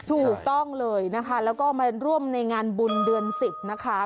ถูกต้องเลยนะคะแล้วก็มาร่วมในงานบุญเดือน๑๐นะคะ